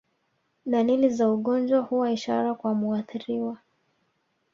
Dalili za ugonjwa huwa ishara kwa muathiriwa